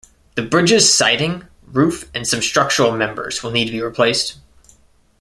The bridge's siding, roof and some structural members will need to be replaced.